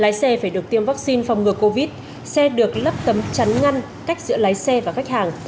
lái xe phải được tiêm vaccine phòng ngừa covid một mươi chín xe được lấp tấm chắn ngăn cách giữa lái xe và khách hàng